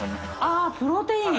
あっプロテイン。